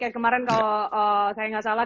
yang kemarin kalau saya gak salah